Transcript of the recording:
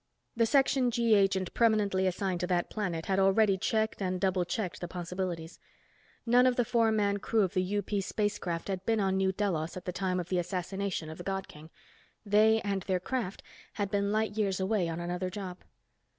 The Section G agent permanently assigned to that planet had already checked and double checked the possibilities. None of the four man crew of the UP spacecraft had been on New Delos at the time of the assassination of the God King. They, and their craft, had been light years away on another job.